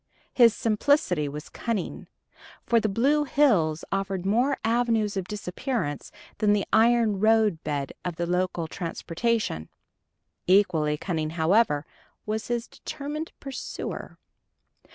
His simplicity was cunning, for the blue hills offered more avenues of disappearance than the iron roadbed of the local transportation. Equally cunning, however, was his determined pursuer.